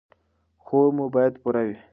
خوب مو باید پوره وي.